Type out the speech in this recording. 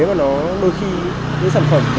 mà nó đôi khi những sản phẩm